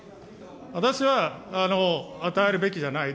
私は与えるべきじゃない。